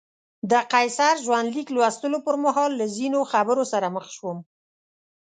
د قیصر ژوندلیک لوستلو پر مهال له ځینو خبرو سره مخ شوم.